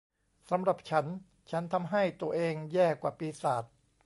สำหรับฉันฉันทำให้ตัวเองแย่กว่าปีศาจ